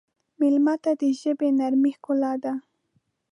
مېلمه ته د ژبې نرمي ښکلا ده.